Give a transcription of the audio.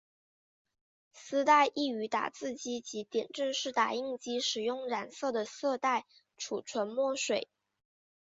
丝带亦于打字机及点阵式打印机使用染色的色带储存墨水。